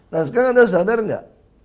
nah sekarang anda sadar nggak